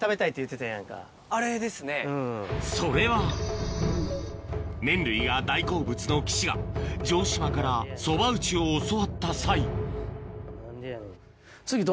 それは麺類が大好物の岸が城島からそば打ちを教わった際えっいいんですか？